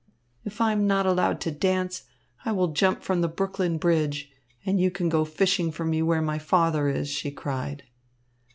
"If I am not allowed to dance, I will jump from Brooklyn Bridge, and you can go fishing for me where my father is," she cried.